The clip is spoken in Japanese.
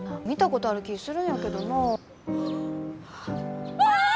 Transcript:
見たことある気ぃするんやけどなあ。